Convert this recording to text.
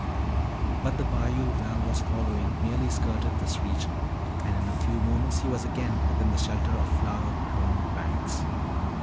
_] But the bayou Val was following merely skirted this region, and in a few moments he was again within the shelter of flower grown banks.